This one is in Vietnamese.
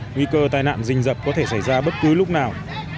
nguy cơ tai nạn dình dập có thể xảy ra bất cứ lúc nào